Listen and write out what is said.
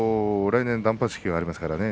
来年断髪式がありますからね。